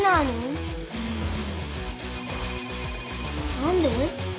何で？